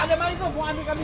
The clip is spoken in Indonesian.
ada manis tuh mau ambil kami